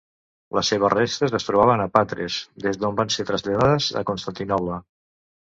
Les seves restes es trobaven a Patres, des d'on van ser traslladades a Constantinoble.